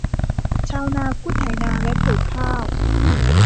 ชาวนาผู้ไถนาและปลูกข้าว